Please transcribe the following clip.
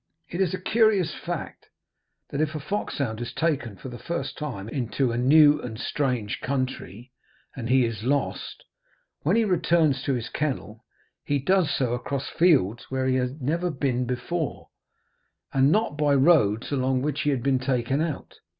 It is a curious fact, that if a foxhound is taken for the first time into a new and strange country, and he is lost, when he returns to his kennel he does so across fields where he had never been before, and not by roads along which he had been taken out.